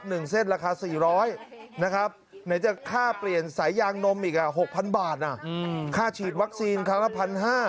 หนึ่งเส้นราคา๔๐๐นะครับไหนจะค่าเปลี่ยนสายยางนมอีก๖๐๐๐บาทค่าฉีดวัคซีนครั้งละ๑๕๐๐